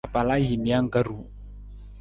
Apalajiimijang ka ru.